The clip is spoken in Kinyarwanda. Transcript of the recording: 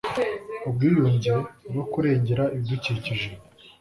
ubwiyunge no kurengera ibidukikije